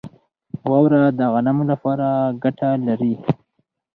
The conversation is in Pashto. واوره د غنمو لپاره ګټه لري.